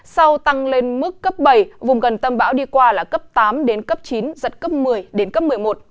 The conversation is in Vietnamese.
sau tăng lên mức cấp bảy vùng gần tâm bão đi qua là cấp tám đến cấp chín giật cấp một mươi đến cấp một mươi một